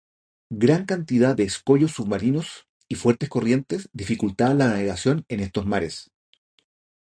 Gran cantidad de escollos submarinos y fuertes corrientes dificultaban la navegación en estos mares.